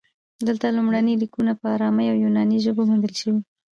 دلته لومړني لیکونه په ارامي او یوناني ژبو موندل شوي